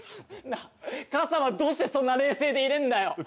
なぁ母さんはどうしてそんな冷静でいられるんだよ？